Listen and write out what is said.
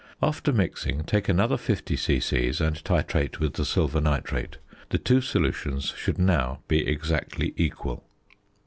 After mixing, take another 50 c.c. and titrate with the silver nitrate; the two solutions should now be exactly equal.